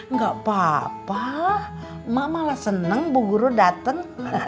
gak apa apa mak malah seneng bu guru dateng